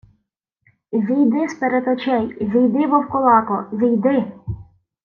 — Зійди з-перед очей! Зійди, вовкулако!.. Зійди!..